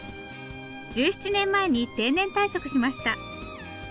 １７年前に定年退職しました。